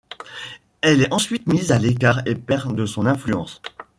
Elle est ensuite mise à l'écart et perd de son influence.